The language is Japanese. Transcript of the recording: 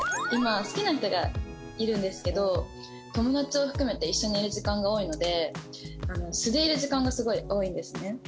今好きな人がいるんですけど友達を含めて一緒にいる時間が多いので素でいる時間がすごい多いんですね。